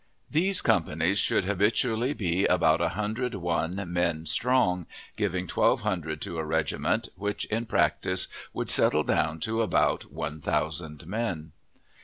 These companies should habitually be about a hundred one men strong, giving twelve hundred to a regiment, which in practice would settle down to about one thousand men.